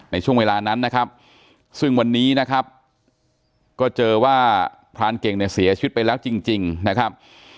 ในช่วงเวลานั้นนะครับซึ่งวันนี้นะครับก็เจอว่าพรานเก่งเนี่ยเสียชีวิตไปแล้วจริงนะครับ